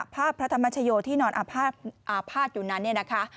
พระธรรมชโยที่นอนอาภาษณ์อยู่นั้นเนี่ยนะคะ